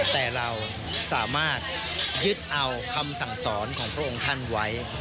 แต่เราสามารถยึดเอาคำสั่งสอนของพระองค์ท่านไว้